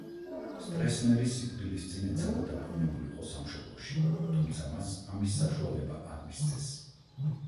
სტრესნერი სიკვდილის წინ ეცადა დაბრუნებულიყო სამშობლოში, თუმცა მას ამის საშუალება არ მისცეს.